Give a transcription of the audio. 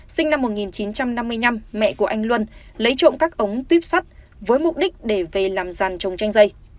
sinh năm một nghìn chín trăm năm mươi năm mẹ của anh luân lấy trộm các ống tuyếp sắt với mục đích để về làm giàn trồng chanh dây